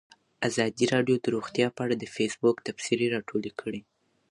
ازادي راډیو د روغتیا په اړه د فیسبوک تبصرې راټولې کړي.